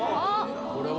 これは？